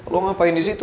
lo ngapain di situ